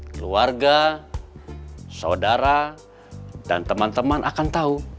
keluarga saudara dan teman teman akan tahu